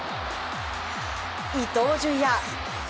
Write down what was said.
伊東純也。